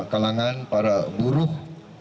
kalangan para buruh